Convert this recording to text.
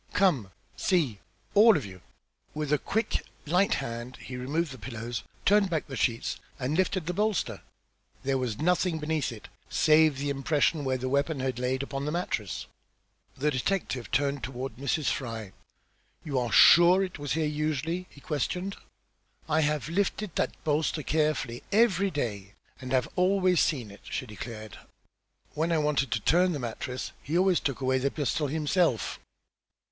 Come see, all of you." With a quick light hand he removed the pillows, turned back the sheets and lifted the bolster. There was nothing beneath it, save the impression where the weapon had laid upon the mattress. The detective turned toward Mrs. Fry. "You are sure it was here usually?" he questioned. "I have lifted that bolster carefully every day, and have always seen it," she declared. "When I wanted to turn the mattress he always took away the pistol himself."